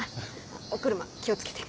お車気を付けて。